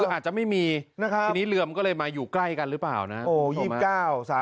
คืออาจจะไม่มีนะครับทีนี้เรือมันก็เลยมาอยู่ใกล้กันหรือเปล่านะ